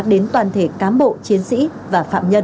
đến toàn thể cán bộ chiến sĩ và phạm nhân